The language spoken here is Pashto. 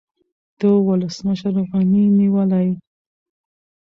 د ولسمشر غني نیولې